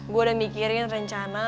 gue udah mikirin rencana